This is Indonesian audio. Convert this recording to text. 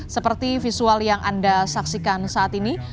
seperti visual yang anda saksikan saat ini